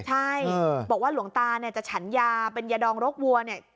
ใช่บอกว่าหลวงตาเนี่ยจะฉันยาเป็นยาดองรกวัวเนี่ย